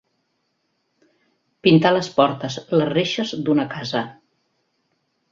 Pintar les portes, les reixes, d'una casa.